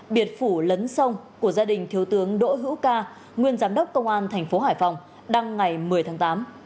biệt phủ lấn sông của gia đình thiếu tướng đỗ hữu ca nguyên giám đốc công an thành phố hải phòng đăng ngày một mươi tháng tám